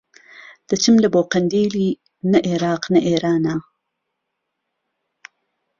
دەچم لە بۆ قەندیلی نە ئێراق نە ئێرانە